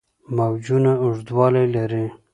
موجونه اوږدوالي لري.